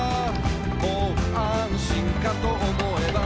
「もう安心かと思えば」